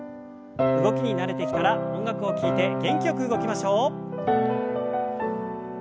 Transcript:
動きに慣れてきたら音楽を聞いて元気よく動きましょう。